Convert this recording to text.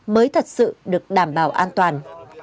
mới thật sự được đảm bảo an toàn